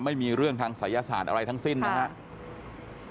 ไม่มีเรื่องทางศัยศาสตร์อะไรทั้งสิ้นนะครับ